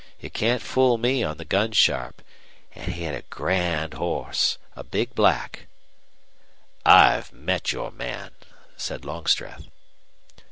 You can't fool me on the gun sharp. An' he had a grand horse, a big black." "I've met your man," said Longstreth.